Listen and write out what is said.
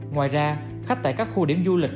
ngoài ra khách tại các khu điểm du lịch